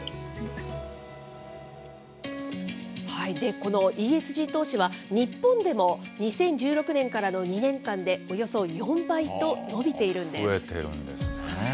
このＥＳＧ投資は、日本でも２０１６年からの２年間で、増えてるんですね。